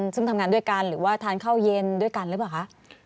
ซึ่งทำงานด้วยกันหรือว่าทานข้าวเย็นด้วยกันหรือเปล่าคะ